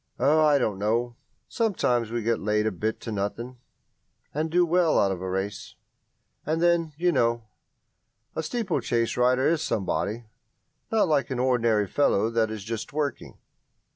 "Oh, I don't know sometimes we get laid a bit to nothing, and do well out of a race. And then, you know, a steeplechase rider is somebody not like an ordinary fellow that is just working."